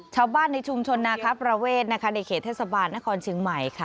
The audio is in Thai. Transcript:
ชาวบ้านในชุมชนนาคาประเวทนะคะในเขตเทศบาลนครเชียงใหม่ค่ะ